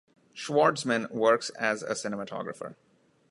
Schwartzman works as a cinematographer.